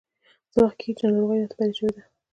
څه وخت کېږي چې ناروغي راته پیدا شوې ده.